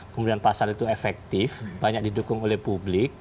kemudian pasal itu efektif banyak didukung oleh publik